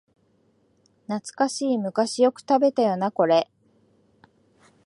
懐かしい、昔よく食べたよなこれ